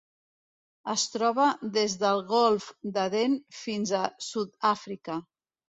Es troba des del Golf d'Aden fins a Sud-àfrica.